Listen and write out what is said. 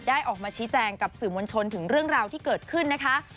ออกมาชี้แจงกับสื่อมวลชนถึงเรื่องราวที่เกิดขึ้นนะคะ